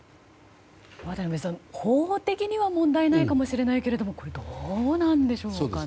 渡辺さん、法的には問題ないかもしれませんけどもこれ、どうなんでしょうかね？